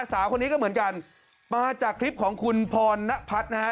สาวคนนี้ก็เหมือนกันมาจากคลิปของคุณพรณพัฒน์นะฮะ